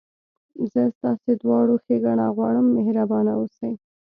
زه ستاسي دواړو ښېګڼه غواړم، مهربانه اوسئ.